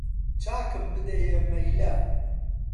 چاکم بدەیە مەیلە